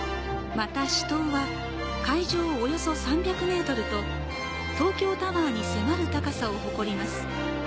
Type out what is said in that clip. また、主塔は海上約３００ｍと東京タワーに迫る高さを誇ります。